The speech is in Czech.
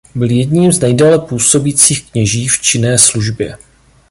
Byl jedním z nejdéle působících kněží v činné službě.